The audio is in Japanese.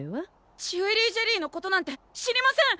ジュエリージェリーのことなんて知りません！